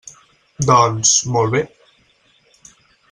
Doncs, molt bé.